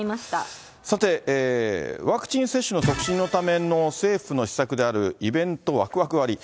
さて、ワクチン接種の促進のための政府の施策であるイベントワクワク割。